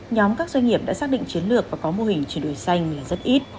nhóm các doanh nghiệp đã xác định chiến lược và có mô hình chuyển đổi xanh là rất ít